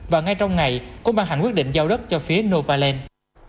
và ngay trong ngày cũng ban hành quyết định giao đất cho phía nova land